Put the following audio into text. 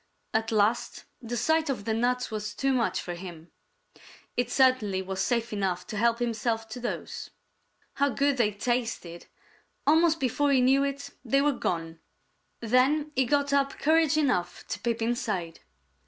At last the sight of the nuts was too much for him. It certainly was safe enough to help himself to those. How good they tasted! Almost before he knew it, they were gone. Then he got up courage enough to peep inside.